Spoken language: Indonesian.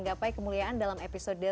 gapai kemuliaan dalam episode